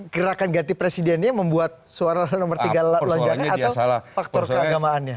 gerakan ganti presidennya membuat suara nomor tiga lonjakan atau faktor keagamaannya